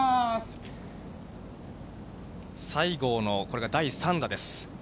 西郷の、これが第３打です。